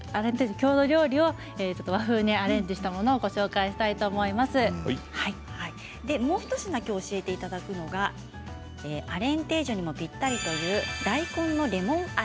郷土料理を和風にアレンジしたものをもう一品教えていただくのがアレンテージョにぴったりという大根のレモンあえ